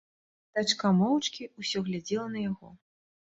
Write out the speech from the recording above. Дачка моўчкі ўсё глядзела на яго.